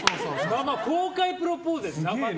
公開プロポーズやで、生で。